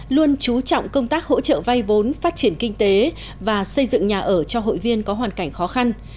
luôn chú trọng công tác hỗ trợ vay vốn phát triển kinh tế và xây dựng nhà ở cho hội viên có hoàn cảnh khó khăn